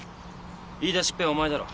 言い出しっぺはお前だろ。